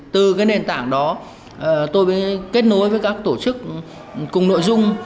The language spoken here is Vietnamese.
từ cái nền tảng đó tôi mới kết nối với các tổ chức cùng nội dung